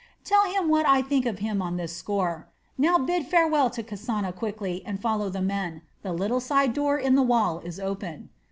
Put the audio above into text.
Tell him what I think of him on this score. Now bid farewell to Kasana quickly and follow the men; the little side door in the wall is open."